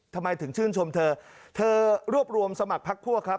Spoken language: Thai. ทำไมถึงชื่นชมเธอเธอรวบรวมสมัครพักพวกครับ